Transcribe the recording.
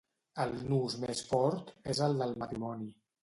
El nus més fort és el del matrimoni.